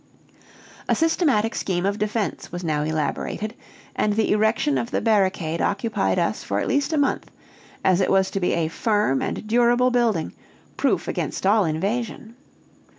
A systematic scheme of defense was now elaborated, and the erection of the barricade occupied us for at least a month, as it was to be a firm and durable building, proof against all invasion.